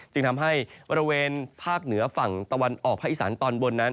จึงทำให้บริเวณภาคเหนือฝั่งตะวันออกภาคอีสานตอนบนนั้น